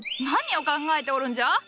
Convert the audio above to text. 何を考えておるんじゃ？